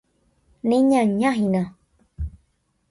Neñañahína.